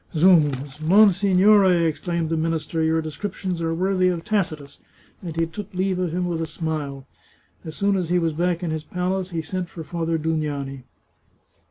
" Zounds ! Monsignore," exclaimed the minister, " your descriptions are worthy of Tacitus," and he took leave of him with a smile. As soon as he was back in his palace he sent for Father Dugnani.